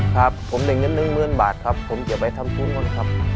ครับผมเป็นเงิน๑๐๐๐๐บาทครับผมจะไปทำทุนค่ะครับ